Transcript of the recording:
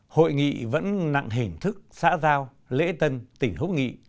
hội nghị vẫn nặng hình thức xã giao lễ tân tỉnh hữu nghị